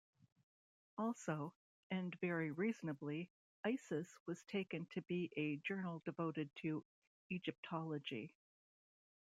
Also, and very reasonably, "Isis" was taken to be a journal devoted to Egyptology.